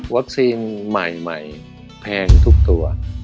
วัคซีนใหม่แพงทุกตัว